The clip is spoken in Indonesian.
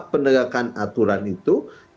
penegakan aturan itu